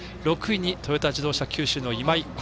６位にトヨタ自動車九州の今井。